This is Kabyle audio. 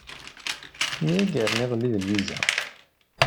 Myagren iḍelli d Lwiza.